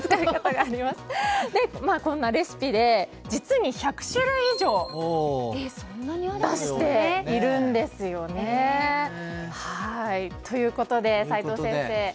そんなレシピ実に１００種類以上出しているんですよね。ということで、齋藤先生